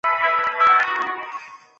迦太基政府被迫重新起用哈米尔卡。